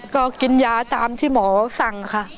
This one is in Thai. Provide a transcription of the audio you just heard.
ก็กินยาตามที่หมอสั่งค่ะ